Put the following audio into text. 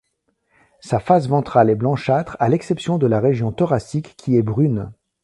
Sa face ventrale est blanchâtre à l'exception de la région thoracique qui est brune.